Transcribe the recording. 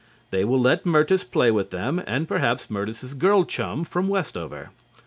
They will let Myrtis play with them and perhaps Myrtis' girl chum from Westover.